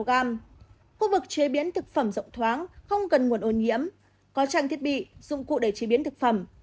khu vực chế biến thực phẩm rộng thoáng không cần nguồn ô nhiễm có trang thiết bị dụng cụ để chế biến thực phẩm